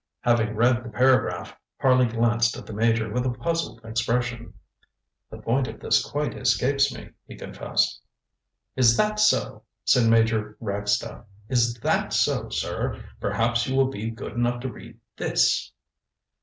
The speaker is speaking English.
ŌĆØ Having read the paragraph, Harley glanced at the Major with a puzzled expression. ŌĆ£The point of this quite escapes me, ŌĆØ he confessed. ŌĆ£Is that so? ŌĆØ said Major Ragstaff. ŌĆ£Is that so, sir? Perhaps you will be good enough to read this.